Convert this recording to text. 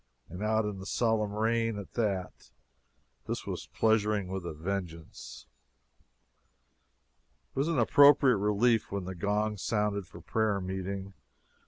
And out in the solemn rain, at that. This was pleasuring with a vengeance. It was an appropriate relief when the gong sounded for prayer meeting.